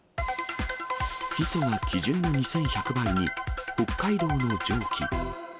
ヒ素が基準の２１００倍に、北海道の蒸気。